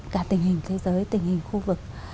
cả tình hình thế giới tình hình khu vực